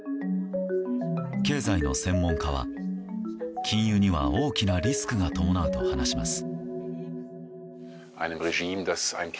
経済の専門家は禁輸には大きなリスクが伴うと話します。